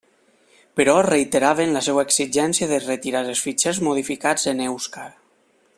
Però reiteraven la seva exigència de retirar els fitxers modificats en èuscar.